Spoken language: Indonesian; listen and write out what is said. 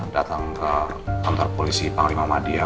datang ke kantor polisi panglima madia